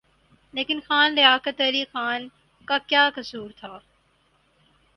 لیکن خان لیاقت علی خان کا کیا قصور تھا؟